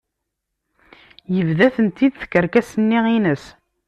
Yebda-tent-id tkerkas-nni ines.